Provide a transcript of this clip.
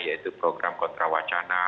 yaitu program kontrawacana